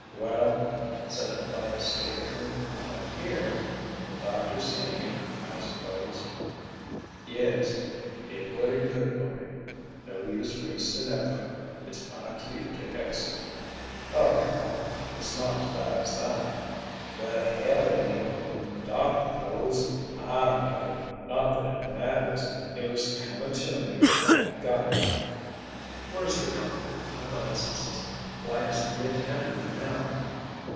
"Well," said Matthias stupidly, "I'm here.... The doctor's seen you, I suppose?" "Yes did what he could for me no use wasting effort it's my cue to exit." "Oh, come! It's not as bad as that!" "The hell it ain't. The doctor knows I know. Not that it matters. It was coming to me and I got it." "Where's the doctor?" Matthias insisted. "Why isn't he attending you now?"